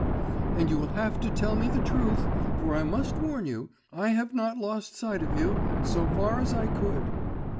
And you will have to tell me the truth, for I must warn you, I have not lost sight of you ... so far as I could.